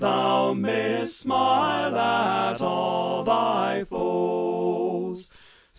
Thou may'st smile at all thy foes.